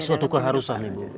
suatu keharusan ibu